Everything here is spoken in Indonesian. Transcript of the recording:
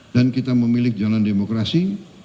dan kita memiliki jalan demokrasi